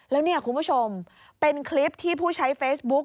แล้วเนี่ยคุณผู้ชมเป็นคลิปที่ผู้ใช้เฟซบุ๊ก